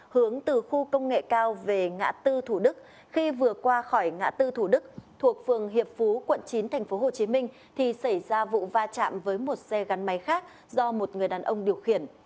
hướng từ khu công nghệ cao về ngã tư thủ đức khi vừa qua khỏi ngã tư thủ đức thuộc phường hiệp phú quận chín tp hcm thì xảy ra vụ va chạm với một xe gắn máy khác do một người đàn ông điều khiển